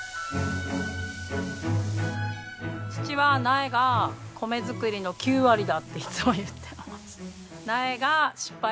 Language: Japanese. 父は「苗が米作りの９割だ」っていつも言ってました。